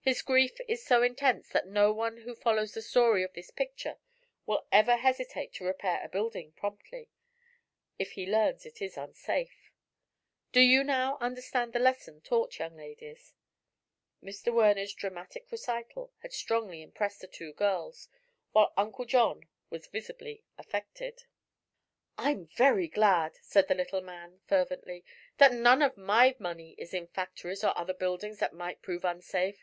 His grief is so intense that no one who follows the story of this picture will ever hesitate to repair a building promptly, if he learns it is unsafe. Do you now understand the lesson taught, young ladies?" Mr. Werner's dramatic recital had strongly impressed the two girls, while Uncle John was visibly affected. "I'm very glad," said the little man fervently, "that none of my money is in factories or other buildings that might prove unsafe.